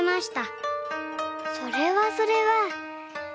それはそれは。